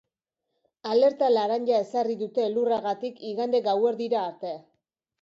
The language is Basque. Alerta laranja ezarri dute elurragatik igande gauerdira arte.